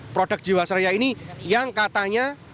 produk jiwasraya ini yang katanya